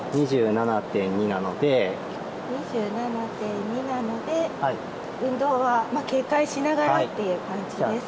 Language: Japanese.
２７．２なので、運動は警戒しながらという感じですね。